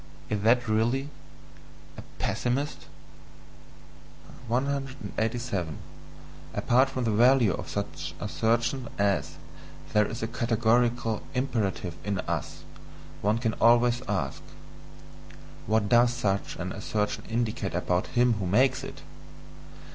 Is that really a pessimist? 187. Apart from the value of such assertions as "there is a categorical imperative in us," one can always ask: What does such an assertion indicate about him who makes it?